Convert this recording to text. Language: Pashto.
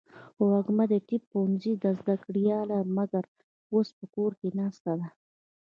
وږمه د طب پوهنځۍ زده کړیاله وه ، مګر اوس په کور ناسته ده.